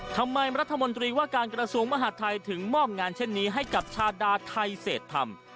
รัฐมนตรีว่าการกระทรวงมหาดไทยถึงมอบงานเช่นนี้ให้กับชาดาไทเศษธรรม